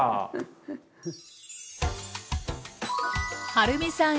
はるみさん